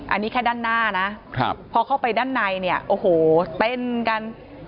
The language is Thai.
อันนี้แค่ด้านหน้านะพอเข้าไปด้านในเนี่ยโอ้โหเต้นกัน